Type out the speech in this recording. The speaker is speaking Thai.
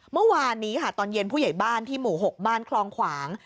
เมื่อวานนี้ค่ะตอนเย็นผู้ใหญ่บ้านที่หมู่๖บ้านคลองขวาง